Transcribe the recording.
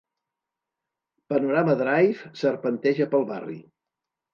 Panorama Drive serpenteja pel barri.